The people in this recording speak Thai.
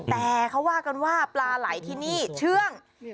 แต่เขาว่ากันว่าปลาไหล่ที่นี่เชื่อง